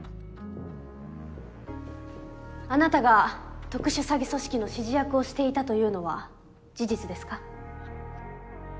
あなたが特殊詐欺組織の指示役をしていたというのは事実ですか？